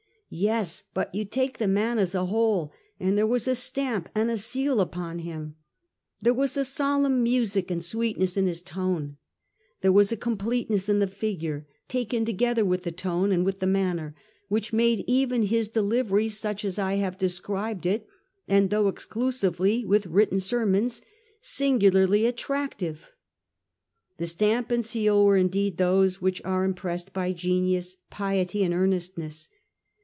Yes ; but you take the man as a whole, and there was a stamp and a seal upon him, there was a solemn music and sweetness in his tone, there was a completeness in the figure, taken together with the tone and with the manner, which made even his delivery such as I have de scribed it, and though exclusively with written ser mons, singularly attractive.' The stamp and seal were indeed, those which are impressed by genius, piety and earnestness.